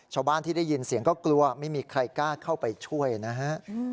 ชาวบ้านที่ได้ยินเสียงก็กลัวไม่มีใครกล้าเข้าไปช่วยนะฮะ